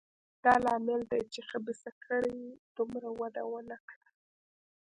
دا لامل دی چې خبیثه کړۍ دومره وده ونه کړه.